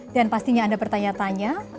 dan pastinya anda bertanya tanya